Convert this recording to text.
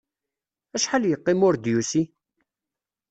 Acḥal yeqqim ur d-yusi?